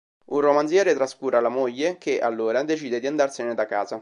Un romanziere trascura la moglie che, allora, decide di andarsene da casa.